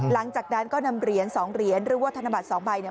หลังจากนั้นก็นำเหรียญ๒เหรียญหรือว่าธนบัตร๒ใบเนี่ย